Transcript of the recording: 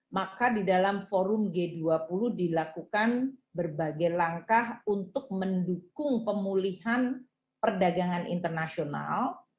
maka di dalam forum g dua puluh dilakukan berbagai langkah untuk mendukung pemulihan perdagangan internasional